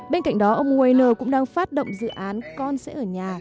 bên cạnh đó ông weener cũng đang phát động dự án con sẽ ở nhà